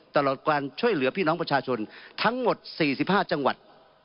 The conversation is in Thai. ตลอดการช่วยเหลือพี่น้องประชาชนทั้งหมด๔๕จังหวัด